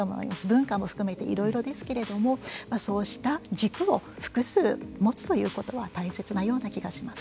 文化も含めていろいろですけれどもそうした軸を複数持つということは大切なような気がします。